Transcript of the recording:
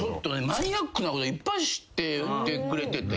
マニアックなこといっぱい知っててくれてて。